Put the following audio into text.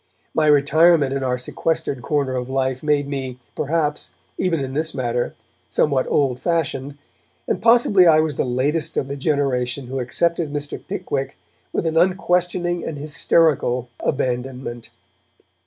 My retirement in our sequestered corner of life made me, perhaps, even in this matter, somewhat old fashioned, and possibly I was the latest of the generation who accepted Mr. Pickwick with an unquestioning and hysterical abandonment.